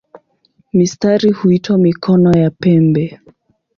Mistari huitwa "mikono" ya pembe.